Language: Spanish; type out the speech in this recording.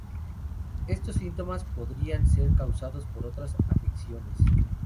Estos síntomas podrían ser causados por otras afecciones.